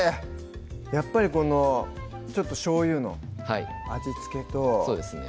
やっぱりこのちょっとしょうゆの味付けとそうですね